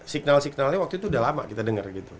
signal signalnya waktu itu udah lama kita dengar gitu